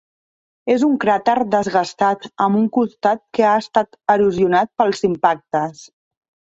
És un cràter desgastat amb un costat que ha estat erosionat pels impactes.